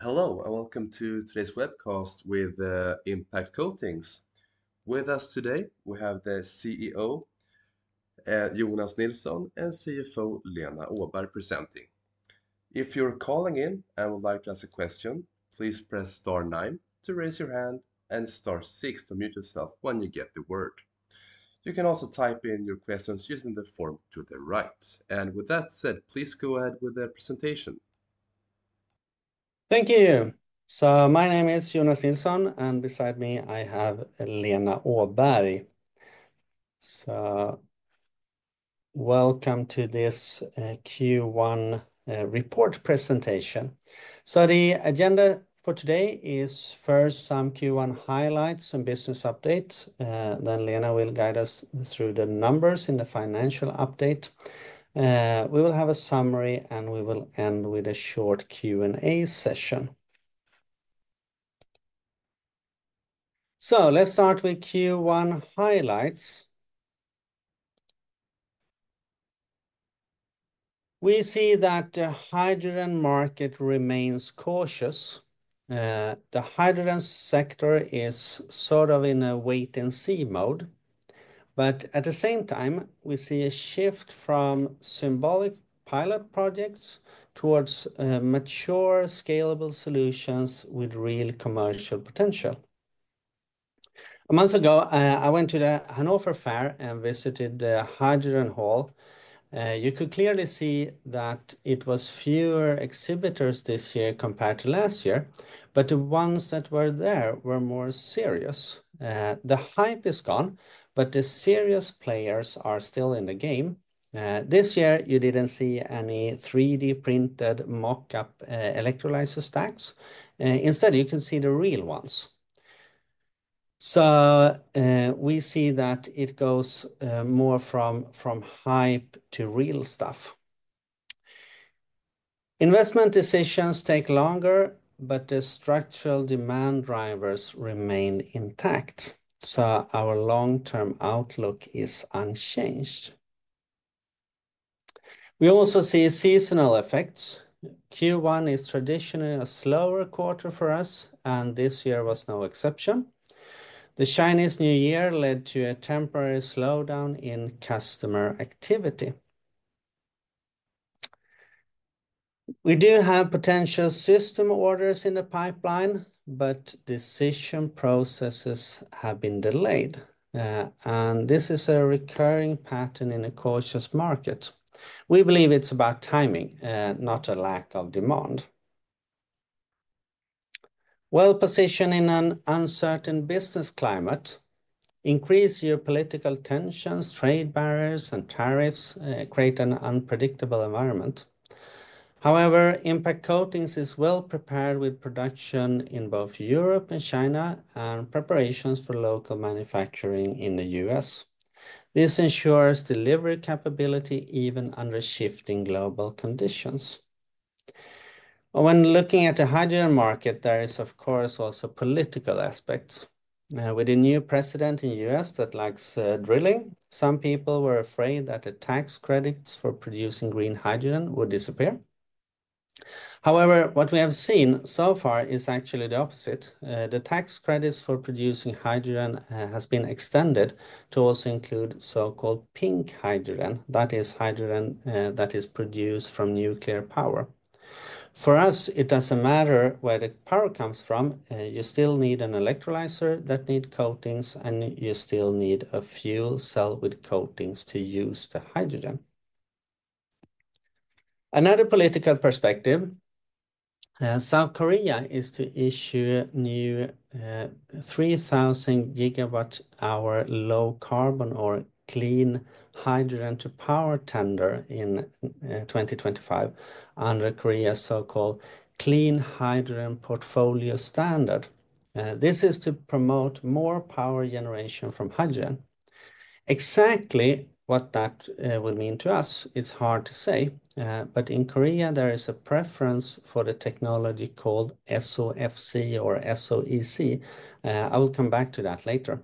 Hello, and welcome to today's webcast with Impact Coatings. With us today, we have the CEO, Jonas Nilsson, and CFO, Lena Åberg, presenting. If you're calling in and would like to ask a question, please press star nine to raise your hand and star six to mute yourself when you get the word. You can also type in your questions using the form to the right. With that said, please go ahead with the presentation. Thank you. My name is Jonas Nilsson, and beside me I have Lena Åberg. Welcome to this Q1 report presentation. The agenda for today is first some Q1 highlights and business updates. Lena will guide us through the numbers in the financial update. We will have a summary, and we will end with a short Q&A session. Let's start with Q1 highlights. We see that the hydrogen market remains cautious. The hydrogen sector is sort of in a wait-and-see mode. At the same time, we see a shift from symbolic pilot projects towards mature, scalable solutions with real commercial potential. A month ago, I went to the Hannover Fair and visited the Hydrogen Hall. You could clearly see that it was fewer exhibitors this year compared to last year, but the ones that were there were more serious. The hype is gone, but the serious players are still in the game. This year, you did not see any 3D-printed mock-up electrolyzer stacks. Instead, you can see the real ones. We see that it goes more from hype to real stuff. Investment decisions take longer, but the structural demand drivers remain intact. Our long-term outlook is unchanged. We also see seasonal effects. Q1 is traditionally a slower quarter for us, and this year was no exception. The Chinese New Year led to a temporary slowdown in customer activity. We do have potential system orders in the pipeline, but decision processes have been delayed. This is a recurring pattern in a cautious market. We believe it is about timing, not a lack of demand. Well-positioned in an uncertain business climate, increased geopolitical tensions, trade barriers, and tariffs create an unpredictable environment. However, Impact Coatings is well prepared with production in both Europe and China and preparations for local manufacturing in the U.S. This ensures delivery capability even under shifting global conditions. When looking at the hydrogen market, there is, of course, also political aspects. With a new president in the U.S. that likes drilling, some people were afraid that the tax credits for producing green hydrogen would disappear. However, what we have seen so far is actually the opposite. The tax credits for producing hydrogen have been extended to also include so-called pink hydrogen, that is, hydrogen that is produced from nuclear power. For us, it doesn't matter where the power comes from. You still need an electrolyzer that needs coatings, and you still need a fuel cell with coatings to use the hydrogen. Another political perspective, South Korea is to issue a new 3,000 GWh low carbon or clean hydrogen-to-power tender in 2025 under Korea's so-called Clean Hydrogen Portfolio Standard. This is to promote more power generation from hydrogen. Exactly what that would mean to us is hard to say, but in Korea, there is a preference for the technology called SOFC or SOEC. I will come back to that later.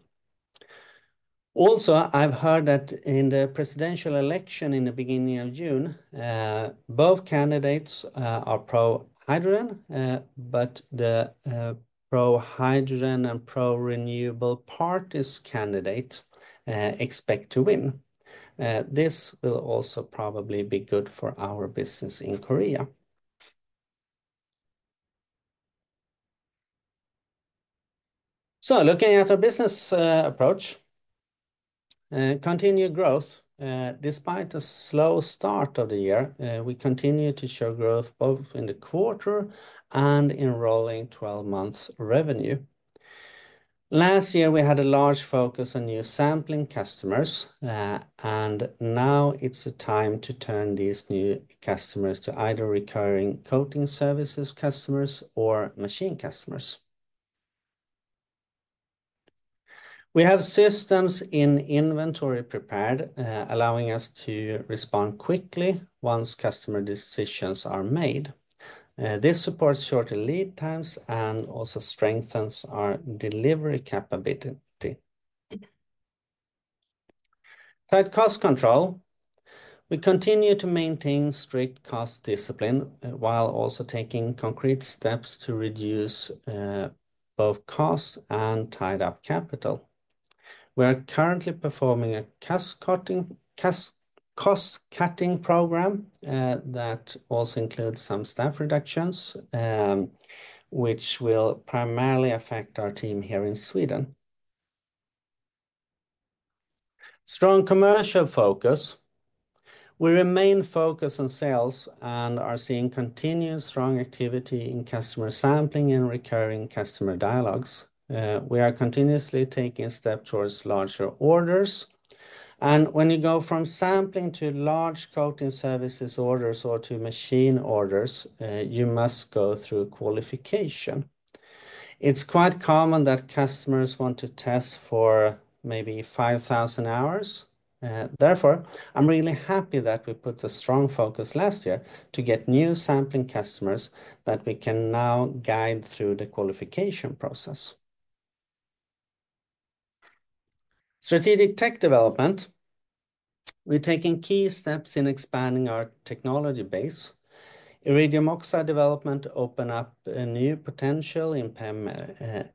Also, I've heard that in the presidential election in the beginning of June, both candidates are pro-hydrogen, but the pro-hydrogen and pro-renewable parties candidate expect to win. This will also probably be good for our business in Korea. Looking at our business approach, continued growth. Despite the slow start of the year, we continue to show growth both in the quarter and in rolling 12-month revenue. Last year, we had a large focus on new sampling customers, and now it's a time to turn these new customers to either recurring coating services customers or machine customers. We have systems in inventory prepared, allowing us to respond quickly once customer decisions are made. This supports shorter lead times and also strengthens our delivery capability. Tight cost control. We continue to maintain strict cost discipline while also taking concrete steps to reduce both costs and tied-up capital. We are currently performing a cost-cutting program that also includes some staff reductions, which will primarily affect our team here in Sweden. Strong commercial focus. We remain focused on sales and are seeing continued strong activity in customer sampling and recurring customer dialogues. We are continuously taking a step towards larger orders. When you go from sampling to large coating services orders or to machine orders, you must go through qualification. It's quite common that customers want to test for maybe 5,000 hours. Therefore, I'm really happy that we put a strong focus last year to get new sampling customers that we can now guide through the qualification process. Strategic tech development. We're taking key steps in expanding our technology base. Iridium oxide development opened up a new potential in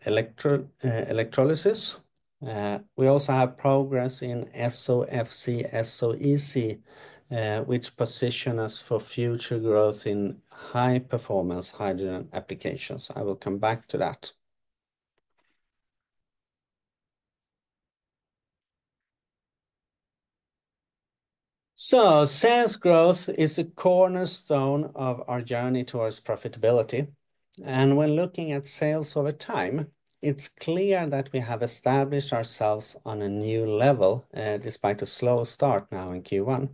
electrolysis. We also have progress in SOFC, SOEC, which position us for future growth in high-performance hydrogen applications. I will come back to that. Sales growth is a cornerstone of our journey towards profitability. When looking at sales over time, it's clear that we have established ourselves on a new level despite a slow start now in Q1.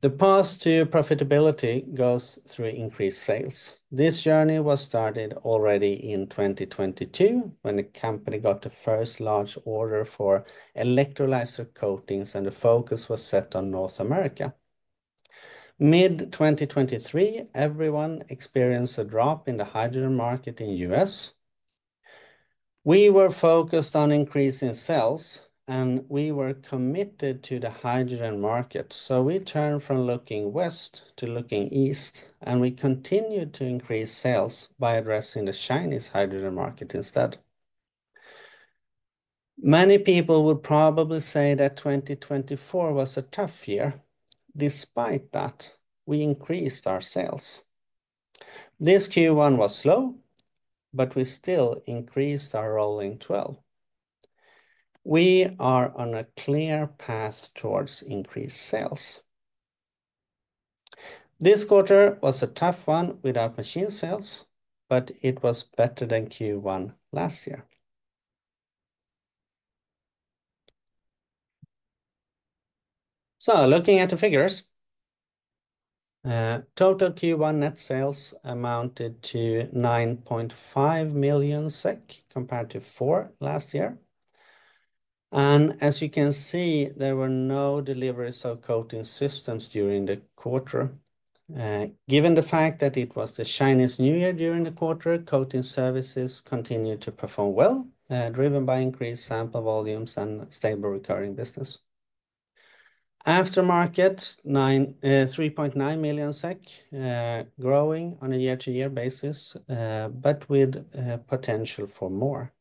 The path to profitability goes through increased sales. This journey was started already in 2022 when the company got the first large order for electrolyzer coatings, and the focus was set on North America. Mid-2023, everyone experienced a drop in the hydrogen market in the U.S. We were focused on increasing sales, and we were committed to the hydrogen market. We turned from looking west to looking east, and we continued to increase sales by addressing the Chinese hydrogen market instead. Many people would probably say that 2024 was a tough year. Despite that, we increased our sales. This Q1 was slow, but we still increased our rolling 12. We are on a clear path towards increased sales. This quarter was a tough one without machine sales, but it was better than Q1 last year. Looking at the figures, total Q1 net sales amounted to 9.5 million SEK compared to 4 million last year. As you can see, there were no deliveries of coating systems during the quarter. Given the fact that it was the Chinese New Year during the quarter, coating services continued to perform well, driven by increased sample volumes and stable recurring business. Aftermarket, 3.9 million SEK, growing on a year-to-year basis, but with potential for more.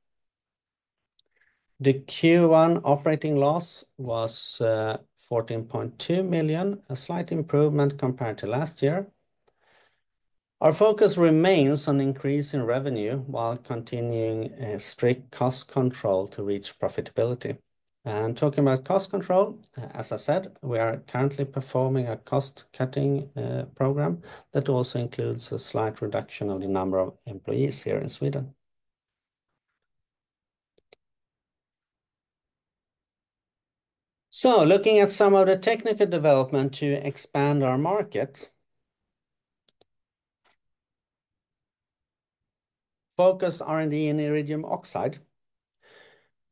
The Q1 operating loss was 14.2 million, a slight improvement compared to last year. Our focus remains on increasing revenue while continuing strict cost control to reach profitability. Talking about cost control, as I said, we are currently performing a cost-cutting program that also includes a slight reduction of the number of employees here in Sweden. Looking at some of the technical development to expand our market, focus R&D in iridium oxide.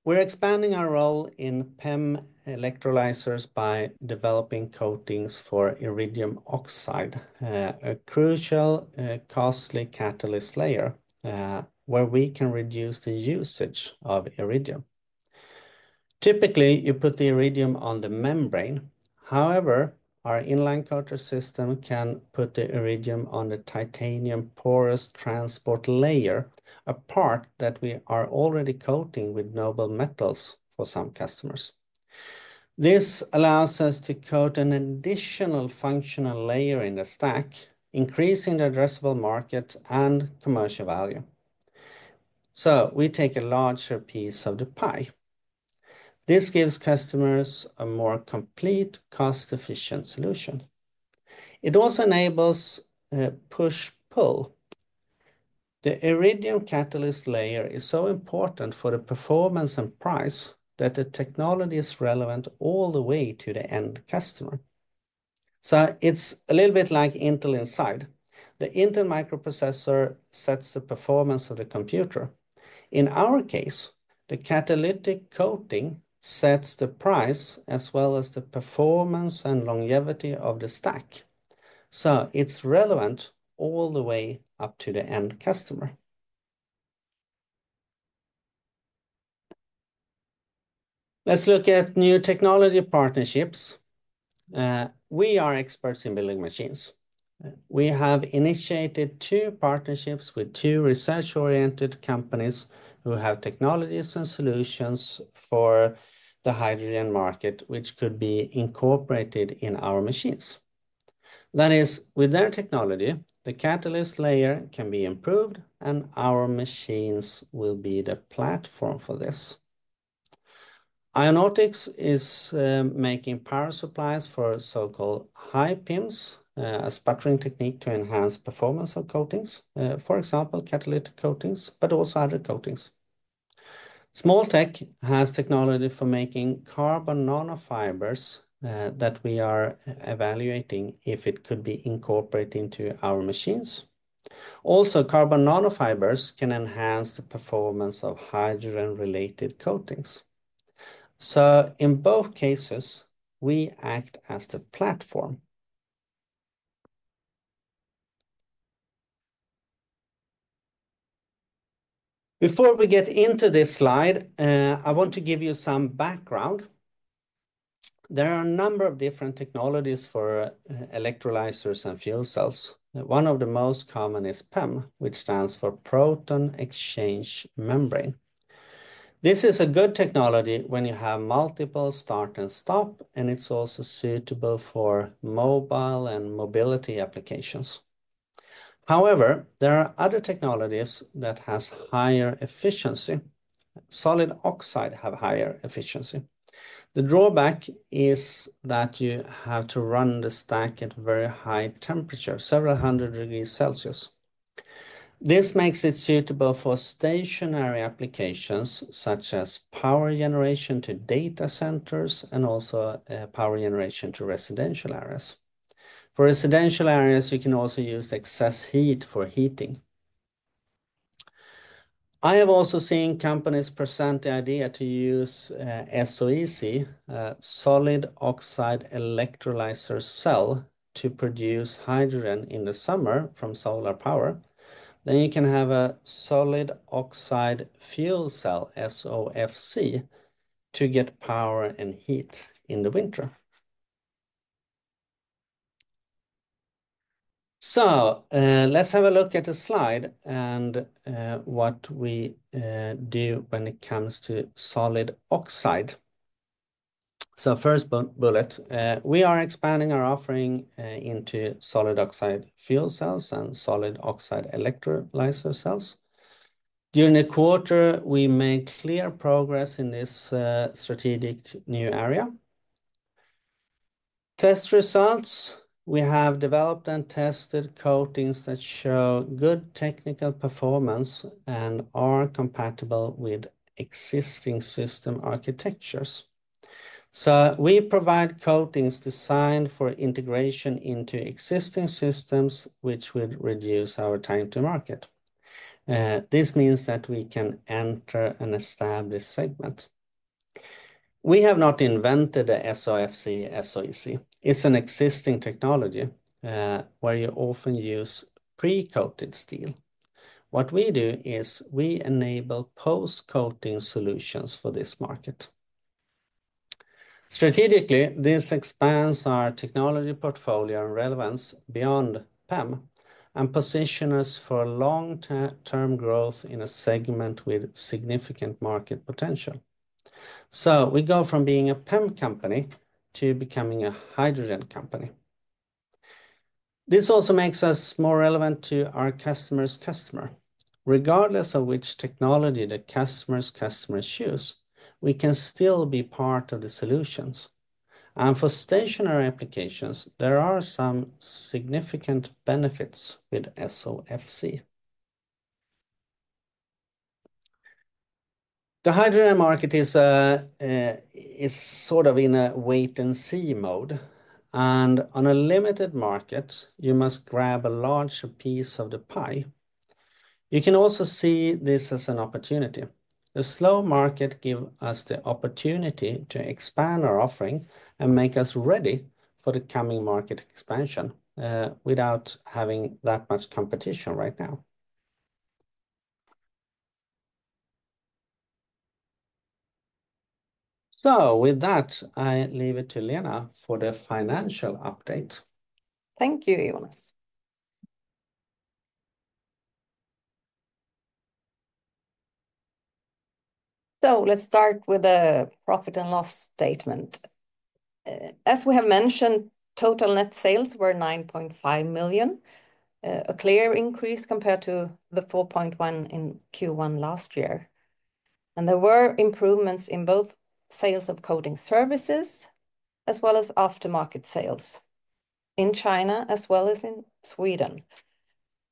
We're expanding our role in PEM electrolyzers by developing coatings for iridium oxide, a crucial costly catalyst layer where we can reduce the usage of iridium. Typically, you put the iridium on the membrane. However, our inline coating system can put the iridium on the titanium porous transport layer, a part that we are already coating with noble metals for some customers. This allows us to coat an additional functional layer in the stack, increasing the addressable market and commercial value. We take a larger piece of the pie. This gives customers a more complete, cost-efficient solution. It also enables push-pull. The iridium catalyst layer is so important for the performance and price that the technology is relevant all the way to the end customer. It's a little bit like Intel Inside. The Intel microprocessor sets the performance of the computer. In our case, the catalytic coating sets the price as well as the performance and longevity of the stack. It is relevant all the way up to the end customer. Let's look at new technology partnerships. We are experts in building machines. We have initiated two partnerships with two research-oriented companies who have technologies and solutions for the hydrogen market, which could be incorporated in our machines. That is, with their technology, the catalyst layer can be improved, and our machines will be the platform for this. Ionotics is making power supplies for so-called high PIMs, a sputtering technique to enhance performance of coatings, for example, catalytic coatings, but also other coatings. Smoltek has technology for making carbon nanofibers that we are evaluating if it could be incorporated into our machines. Also, carbon nanofibers can enhance the performance of hydrogen-related coatings. In both cases, we act as the platform. Before we get into this slide, I want to give you some background. There are a number of different technologies for electrolyzers and fuel cells. One of the most common is PEM, which stands for proton-exchange membrane. This is a good technology when you have multiple start and stop, and it's also suitable for mobile and mobility applications. However, there are other technologies that have higher efficiency. Solid oxide has higher efficiency. The drawback is that you have to run the stack at very high temperature, several hundred degrees Celsius. This makes it suitable for stationary applications such as power generation to data centers and also power generation to residential areas. For residential areas, you can also use excess heat for heating. I have also seen companies present the idea to use SOEC, solid oxide electrolyzer cell, to produce hydrogen in the summer from solar power. You can have a solid oxide fuel cell, SOFC, to get power and heat in the winter. Let's have a look at the slide and what we do when it comes to solid oxide. First bullet, we are expanding our offering into solid oxide fuel cells and solid oxide electrolyzer cells. During the quarter, we made clear progress in this strategic new area. Test results, we have developed and tested coatings that show good technical performance and are compatible with existing system architectures. We provide coatings designed for integration into existing systems, which would reduce our time to market. This means that we can enter an established segment. We have not invented the SOFC, SOEC. It's an existing technology where you often use pre-coated steel. What we do is we enable post-coating solutions for this market. Strategically, this expands our technology portfolio and relevance beyond PEM and positions us for long-term growth in a segment with significant market potential. We go from being a PEM company to becoming a hydrogen company. This also makes us more relevant to our customer's customer. Regardless of which technology the customer's customers choose, we can still be part of the solutions. For stationary applications, there are some significant benefits with SOFC. The hydrogen market is sort of in a wait-and-see mode. On a limited market, you must grab a large piece of the pie. You can also see this as an opportunity. The slow market gives us the opportunity to expand our offering and make us ready for the coming market expansion without having that much competition right now. With that, I leave it to Lena for the financial update. Thank you, Jonas. Let's start with the profit and loss statement. As we have mentioned, total net sales were 9.5 million, a clear increase compared to the 4.1 million in Q1 last year. There were improvements in both sales of coating services as well as aftermarket sales in China as well as in Sweden.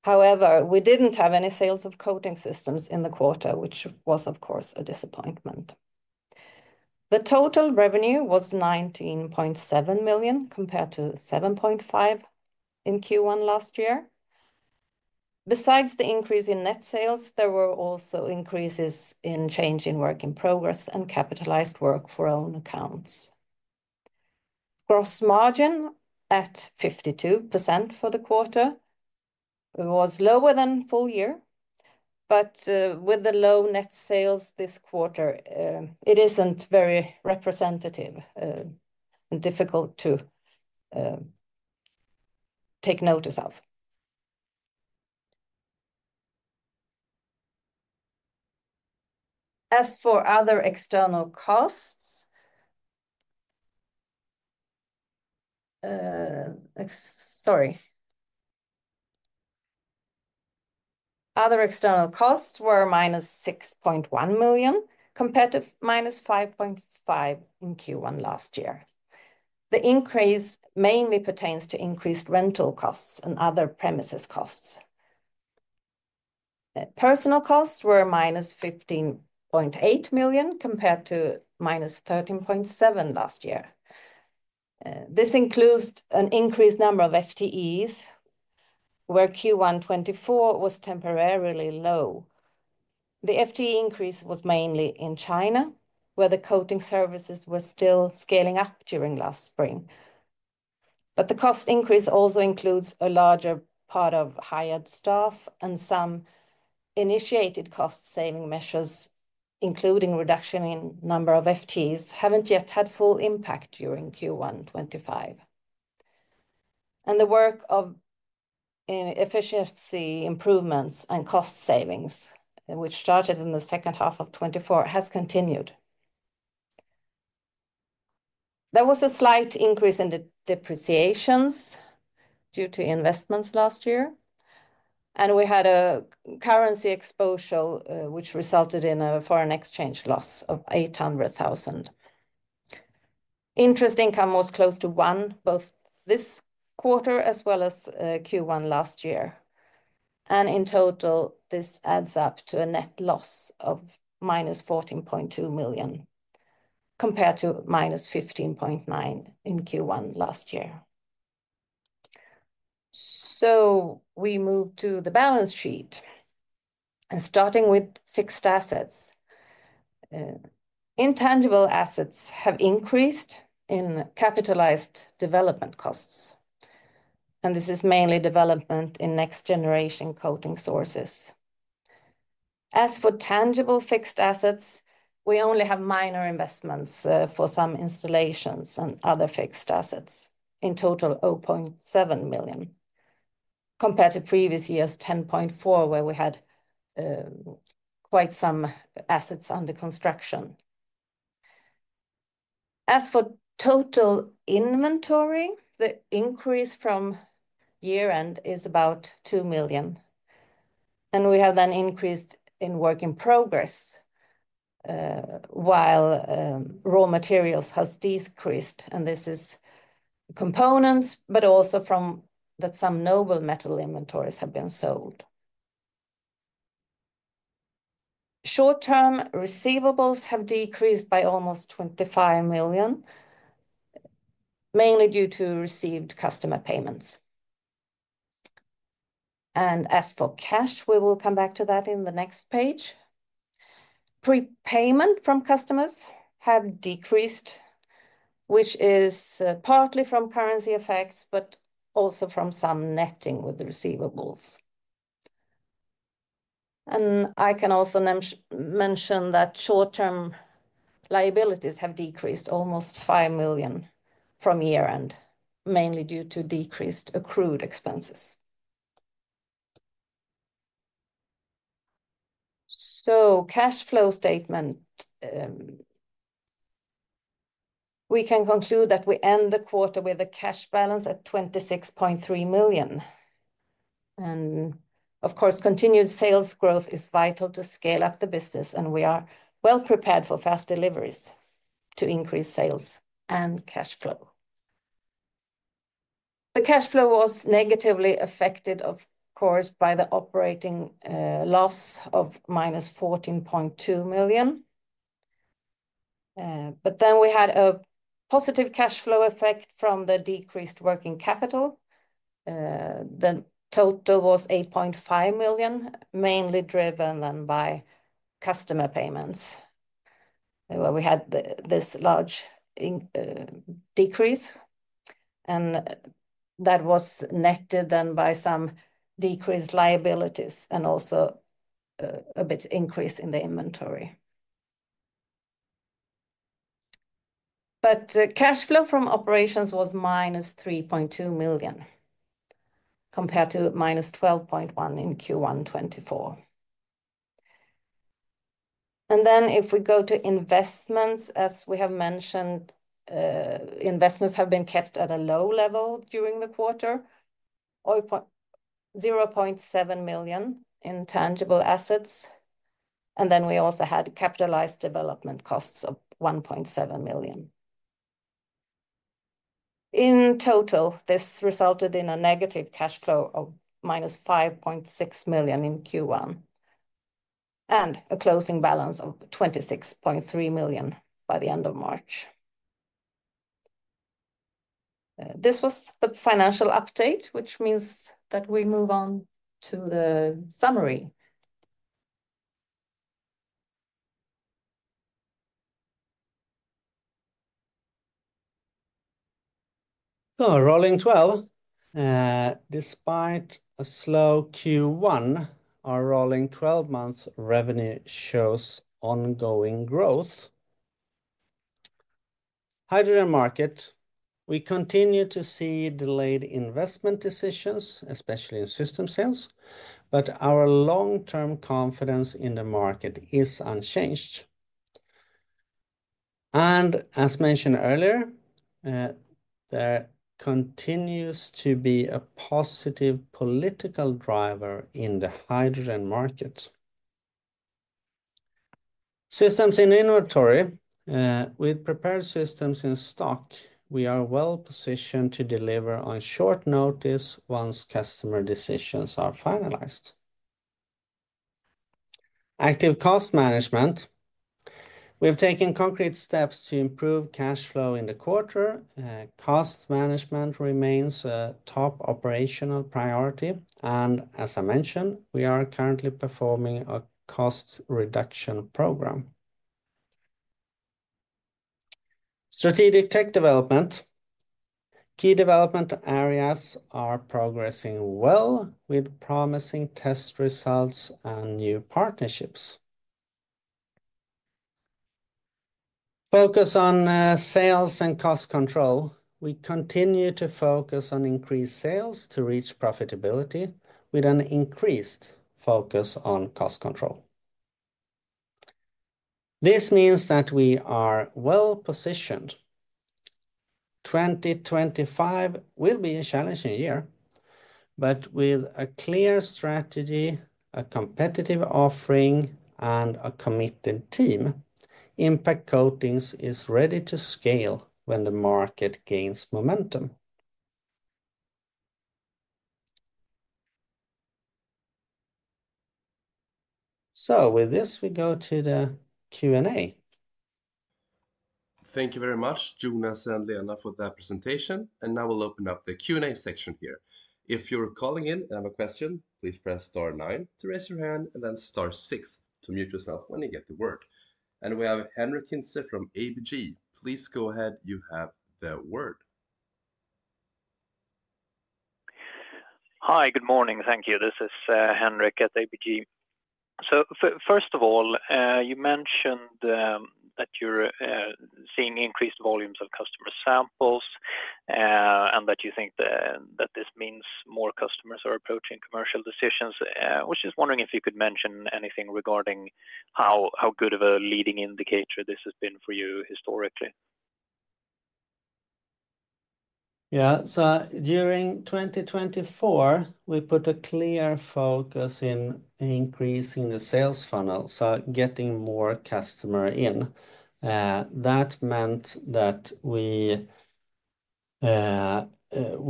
However, we did not have any sales of coating systems in the quarter, which was, of course, a disappointment. The total revenue was 19.7 million compared to 7.5 million in Q1 last year. Besides the increase in net sales, there were also increases in change in work in progress and capitalized work for own accounts. Gross margin at 52% for the quarter was lower than full year. With the low net sales this quarter, it isn't very representative and difficult to take notice of. As for other external costs, sorry. Other external costs were -6.1 million compared to -5.5 million in Q1 last year. The increase mainly pertains to increased rental costs and other premises costs. Personnel costs were -15.8 million compared to -13.7 million last year. This includes an increased number of FTEs, where Q1 2024 was temporarily low. The FTE increase was mainly in China, where the coating services were still scaling up during last spring. The cost increase also includes a larger part of hired staff and some initiated cost-saving measures, including reduction in number of FTEs, have not yet had full impact during Q1 2025. The work of efficiency improvements and cost savings, which started in the second half of 2024, has continued. There was a slight increase in the depreciations due to investments last year. We had a currency exposure, which resulted in a foreign exchange loss of 800,000. Interest income was close to 1 million both this quarter as well as Q1 last year. In total, this adds up to a net loss of -14.2 million compared to -15.9 million in Q1 last year. We move to the balance sheet. Starting with fixed assets, intangible assets have increased in capitalized development costs. This is mainly development in next-generation coating sources. As for tangible fixed assets, we only have minor investments for some installations and other fixed assets, in total 0.7 million compared to previous year's 10.4 million, where we had quite some assets under construction. As for total inventory, the increase from year-end is about 2 million. We have then increased in work in progress while raw materials have decreased. This is components, but also from that some noble metal inventories have been sold. Short-term receivables have decreased by almost 25 million, mainly due to received customer payments. As for cash, we will come back to that in the next page. Prepayment from customers have decreased, which is partly from currency effects, but also from some netting with the receivables. I can also mention that short-term liabilities have decreased almost 5 million from year-end, mainly due to decreased accrued expenses. Cash flow statement, we can conclude that we end the quarter with a cash balance at 26.3 million. Of course, continued sales growth is vital to scale up the business, and we are well prepared for fast deliveries to increase sales and cash flow. The cash flow was negatively affected, of course, by the operating loss of 14.2 million. We had a positive cash flow effect from the decreased working capital. The total was 8.5 million, mainly driven by customer payments, where we had this large decrease. That was netted by some decreased liabilities and also a bit of an increase in the inventory. Cash flow from operations was -3.2 million compared to -12.1 million in Q1 2024. If we go to investments, as we have mentioned, investments have been kept at a low level during the quarter, 0.7 million in tangible assets. We also had capitalized development costs of 1.7 million. In total, this resulted in a negative cash flow of -5.6 million in Q1 and a closing balance of 26.3 million by the end of March. This was the financial update, which means that we move on to the summary. Rolling 12. Despite a slow Q1, our rolling 12 months revenue shows ongoing growth. Hydrogen market, we continue to see delayed investment decisions, especially in system sales, but our long-term confidence in the market is unchanged. As mentioned earlier, there continues to be a positive political driver in the hydrogen market. Systems in inventory, we prepare systems in stock. We are well positioned to deliver on short notice once customer decisions are finalized. Active cost management, we have taken concrete steps to improve cash flow in the quarter. Cost management remains a top operational priority. As I mentioned, we are currently performing a cost reduction program. Strategic tech development, key development areas are progressing well with promising test results and new partnerships. Focus on sales and cost control. We continue to focus on increased sales to reach profitability with an increased focus on cost control. This means that we are well positioned. 2025 will be a challenging year, but with a clear strategy, a competitive offering, and a committed team, Impact Coatings is ready to scale when the market gains momentum. With this, we go to the Q&A. Thank you very much, Jonas and Lena, for that presentation. Now we will open up the Q&A section here. If you are calling in and have a question, please press star nine to raise your hand and then star six to mute yourself when you get the word. We have Henrik Kinsey from ABG. Please go ahead. You have the word. Hi, good morning. Thank you. This is Henrik at ABG. First of all, you mentioned that you're seeing increased volumes of customer samples and that you think that this means more customers are approaching commercial decisions. I was just wondering if you could mention anything regarding how good of a leading indicator this has been for you historically. Yeah, during 2024, we put a clear focus in increasing the sales funnel, getting more customers in. That meant that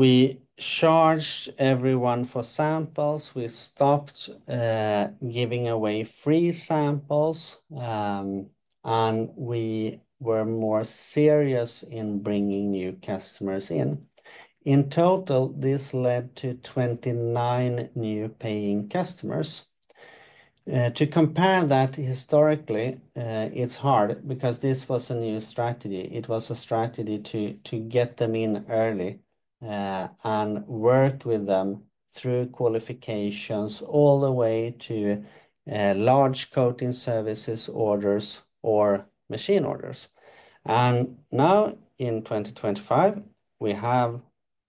we charged everyone for samples. We stopped giving away free samples, and we were more serious in bringing new customers in. In total, this led to 29 new paying customers. To compare that historically, it's hard because this was a new strategy. It was a strategy to get them in early and work with them through qualifications all the way to large coating services orders or machine orders. In 2025, we have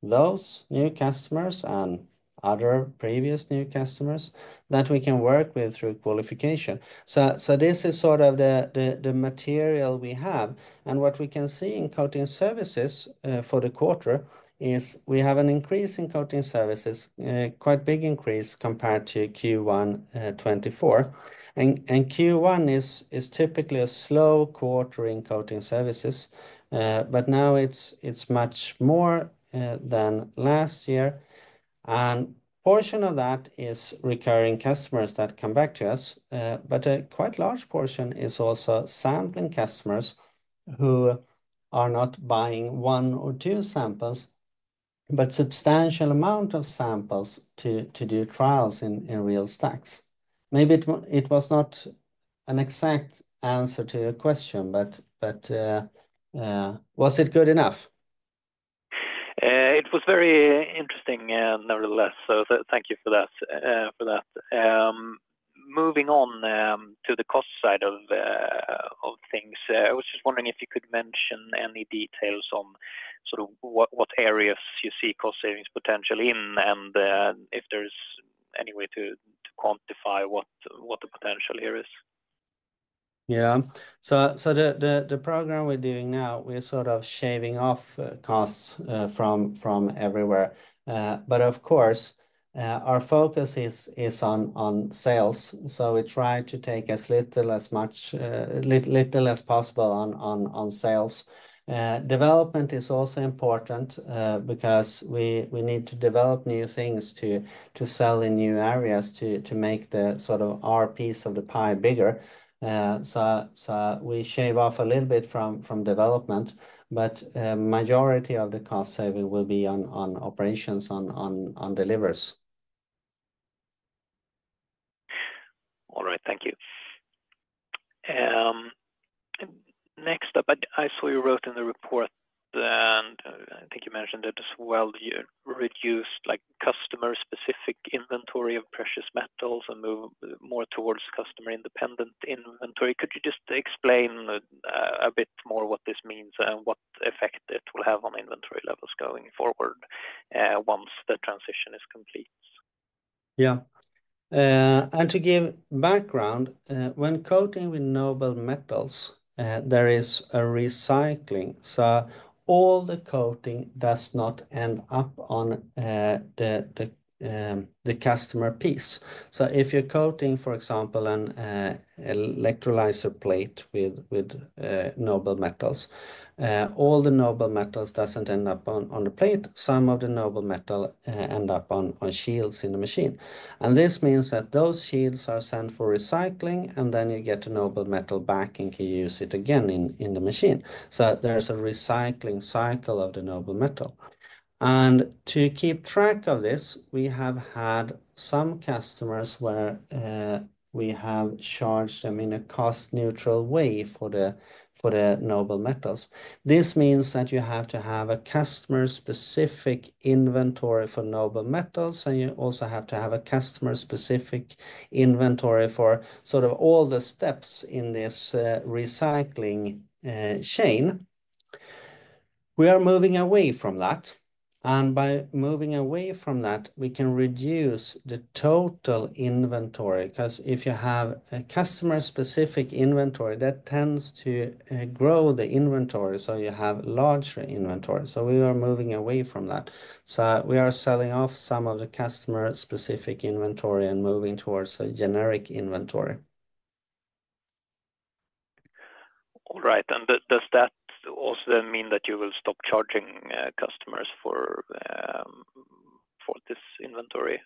those new customers and other previous new customers that we can work with through qualification. This is sort of the material we have. What we can see in coating services for the quarter is we have an increase in coating services, quite a big increase compared to Q1 2024. Q1 is typically a slow quarter in coating services, but now it is much more than last year. A portion of that is recurring customers that come back to us, but a quite large portion is also sampling customers who are not buying one or two samples, but a substantial amount of samples to do trials in real stacks. Maybe it was not an exact answer to your question, but was it good enough? It was very interesting nevertheless. Thank you for that. Moving on to the cost side of things, I was just wondering if you could mention any details on sort of what areas you see cost savings potential in and if there's any way to quantify what the potential here is. Yeah. The program we're doing now, we're sort of shaving off costs from everywhere. Of course, our focus is on sales. We try to take as little as possible on sales. Development is also important because we need to develop new things to sell in new areas to make the sort of our piece of the pie bigger. We shave off a little bit from development, but the majority of the cost saving will be on operations, on delivers. All right, thank you. Next up, I saw you wrote in the report that I think you mentioned it as well, you reduced customer-specific inventory of precious metals and moved more towards customer-independent inventory. Could you just explain a bit more what this means and what effect it will have on inventory levels going forward once the transition is complete? Yeah. To give background, when coating with noble metals, there is a recycling. All the coating does not end up on the customer piece. If you're coating, for example, an electrolyzer plate with noble metals, all the noble metals don't end up on the plate. Some of the noble metal ends up on shields in the machine. This means that those shields are sent for recycling, and then you get a noble metal back and can use it again in the machine. There is a recycling cycle of the noble metal. To keep track of this, we have had some customers where we have charged them in a cost-neutral way for the noble metals. This means that you have to have a customer-specific inventory for noble metals, and you also have to have a customer-specific inventory for all the steps in this recycling chain. We are moving away from that. By moving away from that, we can reduce the total inventory because if you have a customer-specific inventory, that tends to grow the inventory. You have larger inventory. We are moving away from that. We are selling off some of the customer-specific inventory and moving towards a generic inventory. All right. Does that also mean that you will stop charging customers for this inventory?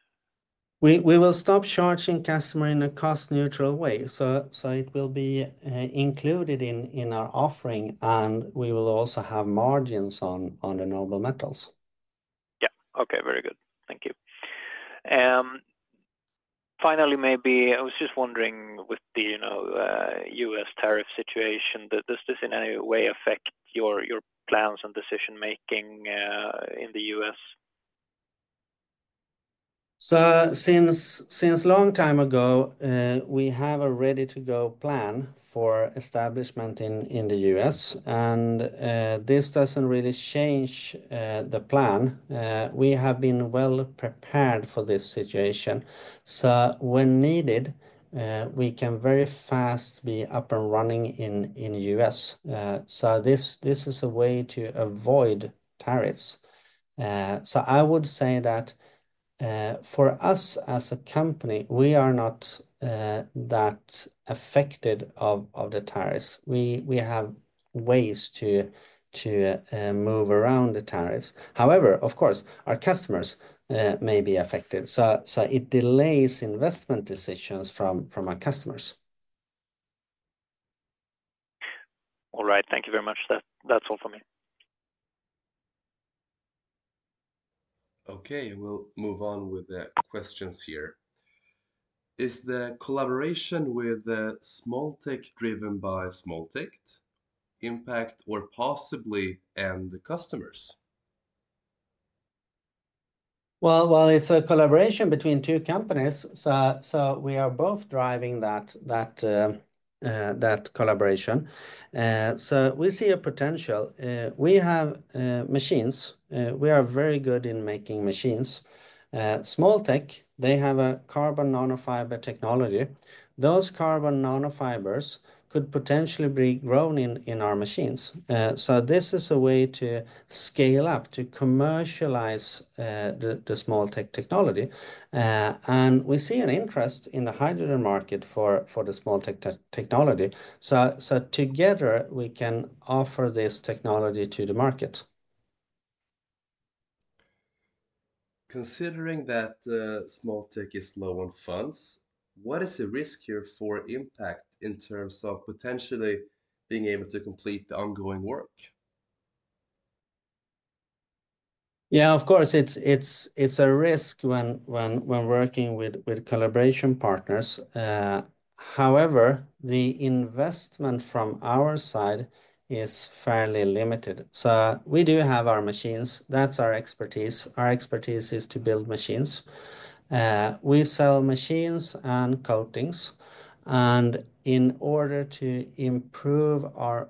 We will stop charging customers in a cost-neutral way. It will be included in our offering, and we will also have margins on the noble metals. Yeah. Okay. Very good. Thank you. Finally, maybe I was just wondering with the U.S. tariff situation, does this in any way affect your plans and decision-making in the U.S.? Since a long time ago, we have a ready-to-go plan for establishment in the U.S. This does not really change the plan. We have been well prepared for this situation. When needed, we can very fast be up and running in the U.S. This is a way to avoid tariffs. I would say that for us as a company, we are not that affected by the tariffs. We have ways to move around the tariffs. However, of course, our customers may be affected. It delays investment decisions from our customers. All right. Thank you very much. That's all for me. Okay. We'll move on with the questions here. Is the collaboration with Smoltek driven by Smoltek's impact or possibly the customers? It is a collaboration between two companies. We are both driving that collaboration. We see a potential. We have machines. We are very good in making machines. Smoltek, they have a carbon nanofiber technology. Those carbon nanofibers could potentially be grown in our machines. This is a way to scale up, to commercialize the Smoltek. We see an interest in the hydrogen market for the Smoltek technology. Together, we can offer this technology to the market. Considering that Smoltek is low on funds, what is the risk here for impact in terms of potentially being able to complete the ongoing work? Yeah, of course, it is a risk when working with collaboration partners. However, the investment from our side is fairly limited. We do have our machines. That is our expertise. Our expertise is to build machines. We sell machines and coatings. In order to improve our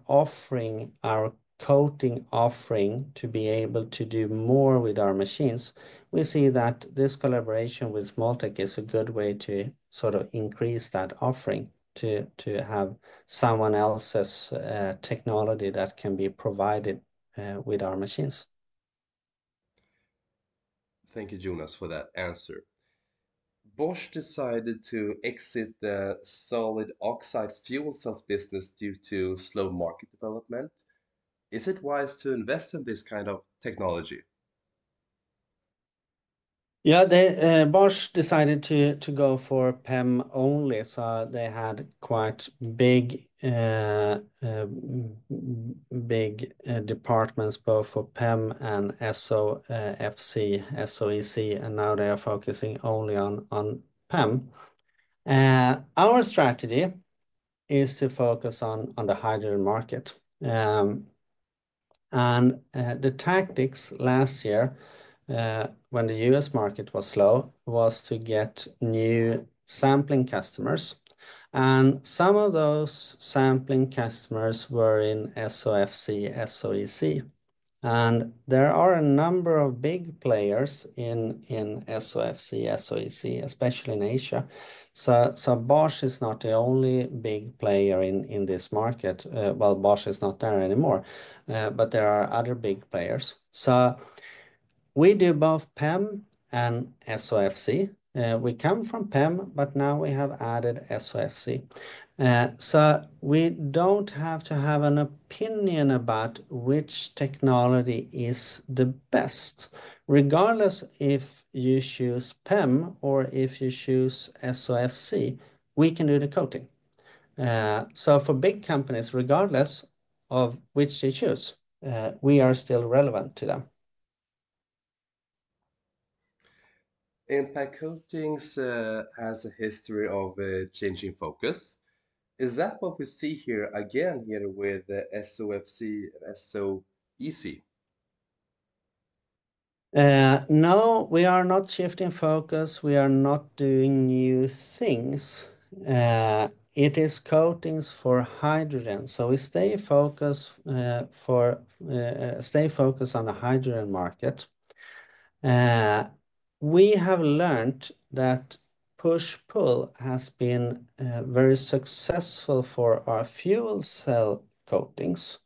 coating offering to be able to do more with our machines, we see that this collaboration with Smoltek is a good way to sort of increase that offering to have someone else's technology that can be provided with our machines. Thank you, Jonas, for that answer. Bosch decided to exit the solid oxide fuel cells business due to slow market development. Is it wise to invest in this kind of technology? Yeah, Bosch decided to go for PEM only. They had quite big departments, both for PEM and SOFC, SOEC, and now they are focusing only on PEM. Our strategy is to focus on the hydrogen market. The tactics last year when the US market was slow was to get new sampling customers. Some of those sampling customers were in SOFC, SOEC. There are a number of big players in SOFC, SOEC, especially in Asia. Bosch is not the only big player in this market. Bosch is not there anymore, but there are other big players. We do both PEM and SOFC. We come from PEM, but now we have added SOFC. We do not have to have an opinion about which technology is the best. Regardless if you choose PEM or if you choose SOFC, we can do the coating. For big companies, regardless of which they choose, we are still relevant to them. Impact Coatings has a history of changing focus. Is that what we see here again with SOFC and SOEC? No, we are not shifting focus. We are not doing new things. It is coatings for hydrogen. We stay focused on the hydrogen market. We have learned that push-pull has been very successful for our fuel cell coatings.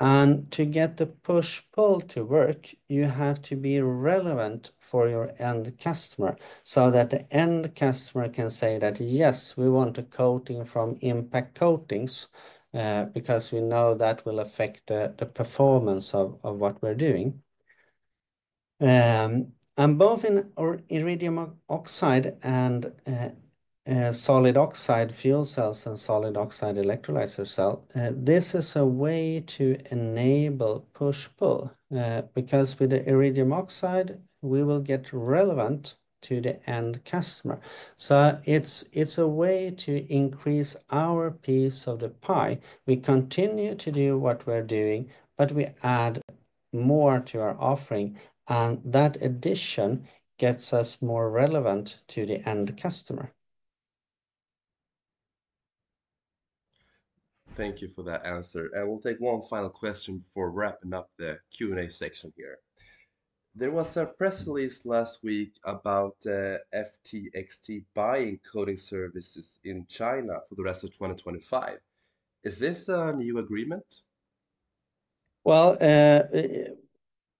To get the push-pull to work, you have to be relevant for your end customer so that the end customer can say that, yes, we want a coating from Impact Coatings because we know that will affect the performance of what we're doing. Both in iridium oxide and solid oxide fuel cells and solid oxide electrolyzer cells, this is a way to enable push-pull because with the iridium oxide, we will get relevant to the end customer. It is a way to increase our piece of the pie. We continue to do what we're doing, but we add more to our offering. That addition gets us more relevant to the end customer. Thank you for that answer. I will take one final question before wrapping up the Q&A section here. There was a press release last week about FTXT buying coating services in China for the rest of 2025. Is this a new agreement? It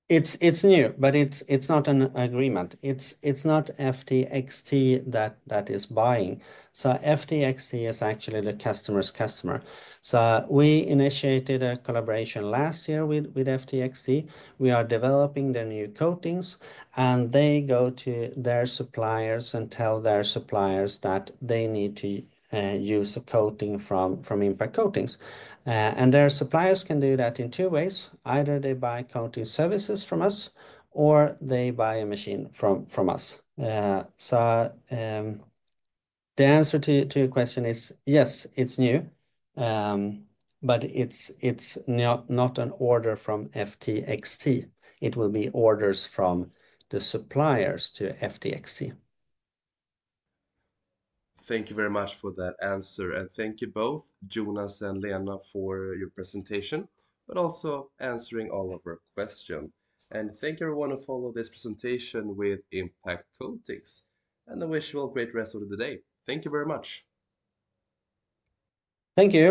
is new, but it is not an agreement. It is not FTXT that is buying. FTXT is actually the customer's customer. We initiated a collaboration last year with FTXT. We are developing their new coatings, and they go to their suppliers and tell their suppliers that they need to use a coating from Impact Coatings. Their suppliers can do that in two ways. Either they buy coating services from us, or they buy a machine from us. The answer to your question is yes, it is new, but it is not an order from FTXT. It will be orders from the suppliers to FTXT. Thank you very much for that answer. Thank you both, Jonas and Lena, for your presentation, but also answering all of our questions. Thank you everyone who followed this presentation with Impact Coatings. I wish you all a great rest of the day. Thank you very much. Thank you.